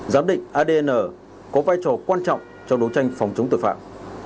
giám định adn có vai trò quan trọng trong đấu tranh phòng chống tội phạm